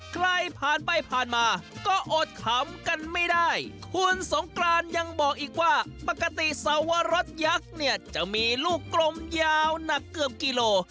ใครผ่านไปผ่านมาก็อดขำกันไม่ได้คุณสงกรานยังบอกอีกว่าปกติสวรสยักษ์เนี่ยจะมีลูกกลมยาวหนักเกือบกิโล